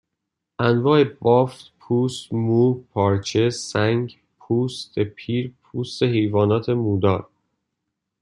انواع بافت پوست مو پارچه سنگ پوست پیر پوست حیوانات مودار